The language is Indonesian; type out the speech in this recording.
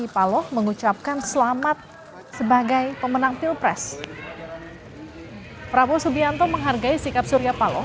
suryapalo mengucapkan selamat sebagai pemenang pilpres prabowo subianto menghargai sikap suryapalo